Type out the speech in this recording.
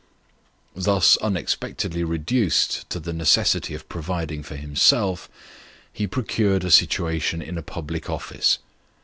Thus unexpectedly reduced to the necessity of providing for himself, he procured a situation in a public office.